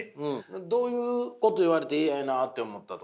どういうこと言われて嫌やなって思ったとか？